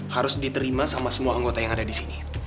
harus diterima sama semua anggota yang ada di sini